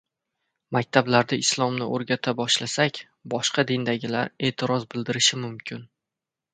"Maktablarda islomni o‘rgata boshlasak, boshqa dindagilar e’tiroz bildirishi mumkin"